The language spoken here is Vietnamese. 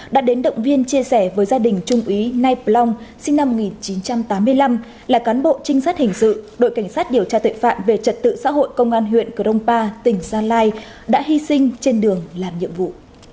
đã đến động viên chia sẻ với gia đình trung úy nai plong sinh năm một nghìn chín trăm tám mươi năm là cán bộ trinh sát hình sự đội cảnh sát điều tra tội phạm về trật tự xã hội công an huyện cờ rông ba tỉnh gia lai đã hy sinh trên đường làm nhiệm vụ